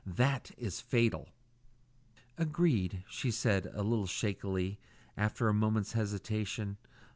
That is fatal." "Agreed," she said, a little shakily, after a moment's hesitation.